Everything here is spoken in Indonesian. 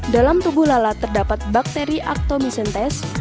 dalam tubuh lalat terdapat bakteri actomisintes